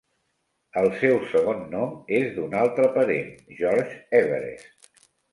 El seu segon nom és d'un altre parent, George Everest.